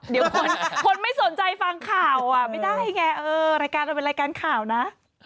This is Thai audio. เดี๋ยวคนไม่สนใจฟังข่าวไม่ได้ไงเออรายการเราเป็นรายการข่าวนะ